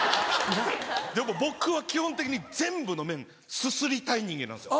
僕は基本的に全部の麺すすりたい人間なんですよ。